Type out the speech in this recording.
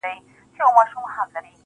مجرم د غلا خبري پټي ساتي,